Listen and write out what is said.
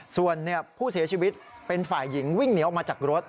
ส่วนผู้เสียชีวิตเป็นฝ่ายหญิงวิ่งหนีออกมาจากรถ